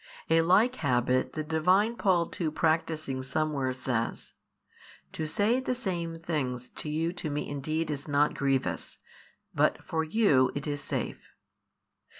A like habit the Divine Paul too practising somewhere says, To |592 say 17 the same things to you to me indeed is not grievous, but for you it is safe.